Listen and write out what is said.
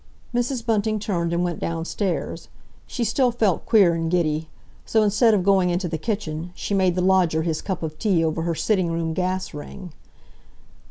Mrs. Bunting turned and went downstairs. She still felt queer and giddy, so instead of going into the kitchen, she made the lodger his cup of tea over her sitting room gas ring.